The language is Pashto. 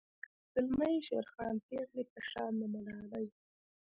زلمي یی شیرخان پیغلۍ په شان د ملالۍ